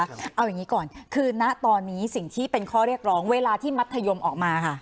เอาอย่างนี้ก่อนคือณตอนนี้สิ่งที่เป็นข้อเรียกร้องเวลาที่มัธยมออกมาค่ะ